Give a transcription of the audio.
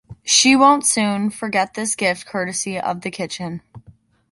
She won’t soon forget this gift courtesy of the kitchen.